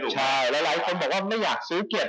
ใช่หลายคนบอกว่าไม่อยากซื้อเก็บ